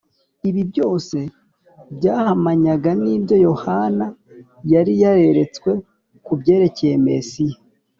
. Ibi byose byahamanyaga n’ibyo Yohana yari yareretswe ku byerekeye Mesiya